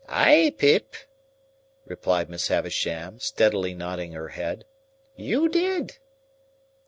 "Ay, Pip," replied Miss Havisham, steadily nodding her head; "you did."